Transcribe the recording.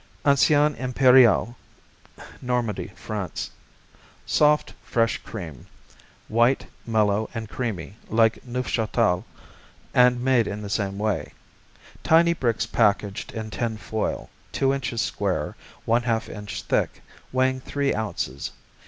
Ancien Impérial Normandy, France Soft; fresh cream; white, mellow and creamy like Neufchâtel and made in the same way. Tiny bricks packaged in tin foil, two inches square, one half inch thick, weighing three ounces.